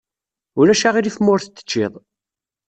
Ulac aɣilif ma ur t-tecciḍ.